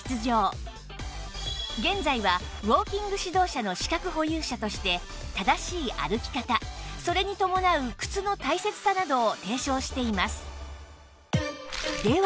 現在はウォーキング指導者の資格保有者として正しい歩き方それに伴う靴の大切さなどを提唱しています